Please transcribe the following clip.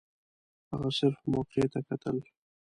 هغه صرف موقع ته کتل.